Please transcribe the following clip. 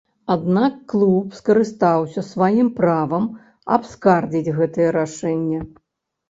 Аднак клуб скарыстаўся сваім правам абскардзіць гэтае рашэнне.